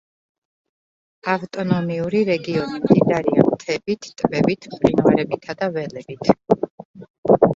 ავტონომიური რეგიონი მდიდარია მთებით, ტბებით, მყინვარებითა და ველებით.